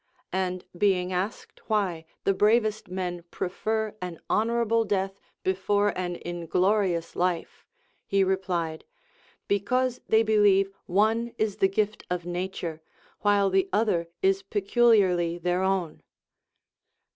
x\nd being asked why the bravest men prefer an honorable death before an inglo rious life, he replied. Because they believe one is the gift of Nature, Avhile the other is peculiarly their own.